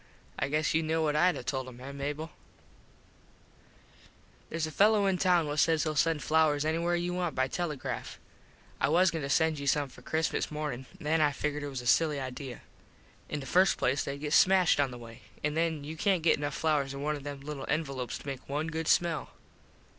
I guess you know what Id a told him, eh, Mable? Theres a fello in town what says he'll send flowers anywhere you want by telegraph. I was goin to send you some for Christmas morning. Then I figgered it was a silly idea. In the first place theyd get all smashed on the way. An then you cant get enough flowers in one of them little envelopes to make one good smell.